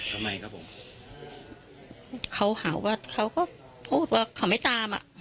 ทำไมครับผมเขาหาว่าเขาก็พูดว่าเขาไม่ตามอ่ะ